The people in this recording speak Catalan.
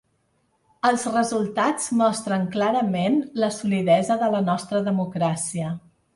Els resultats mostren clarament la solidesa de la nostra democràcia.